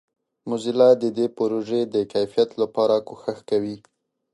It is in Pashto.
موزیلا د دې پروژې د کیفیت لپاره کوښښ کوي.